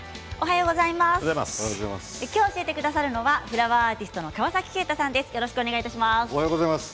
今日教えてくださるのはフラワーアーティストの川崎景太さんです。